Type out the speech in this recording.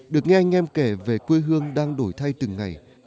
được nghe anh em kể về quê hương đang đổi thay từng ngày